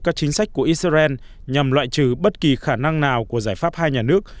các chính sách của israel nhằm loại trừ bất kỳ khả năng nào của giải pháp hai nhà nước